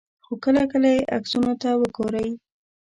خو کله کله یې عکسونو ته وګورئ.